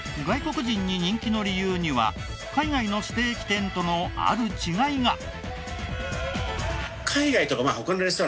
外国人に人気の理由には海外のステーキ店とのある違いが。